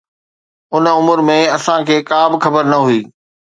ان عمر ۾ اسان کي ڪا به خبر نه هئي.